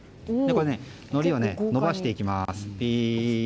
のりを伸ばしていきます。